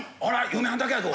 嫁はんだけやぞ。